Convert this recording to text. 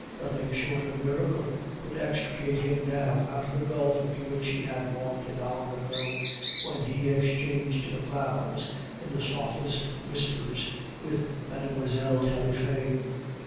Nothing short of a miracle could extricate him now out of the gulf into which he had walked an hour ago, when he exchanged vows in the softest whispers with Mlle. Taillefer.